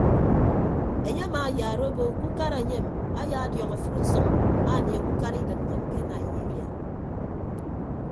Enye amaayaara obo ke ukara enyem ayaadiọñ afịt usʌñ anieehe ukara idịt nnyịn ke naiyiria.